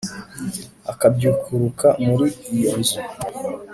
akabyukuruka mur íiyo nzu